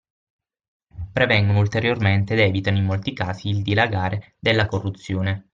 Prevengono ulteriormente ed evitano in molti casi il dilagare della corruzione